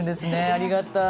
ありがたい。